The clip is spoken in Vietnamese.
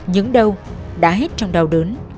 những đau đã hết trong đau đớn